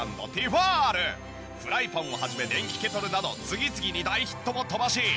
フライパンを始め電気ケトルなど次々に大ヒットを飛ばし。